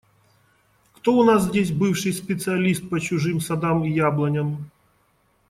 Кто у нас здесь бывший специалист по чужим садам и яблоням?